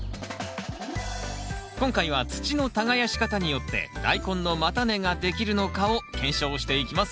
今回は土の耕し方によってダイコンの叉根ができるのかを検証していきます